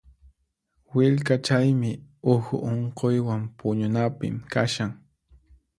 Willkachaymi uhu unquywan puñunapim kashan.